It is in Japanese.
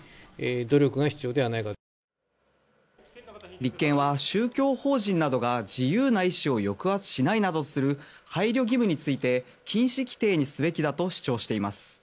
立憲は宗教法人などが自由な意思を抑圧しないなどとする配慮義務について禁止規定にすべきだと主張しています。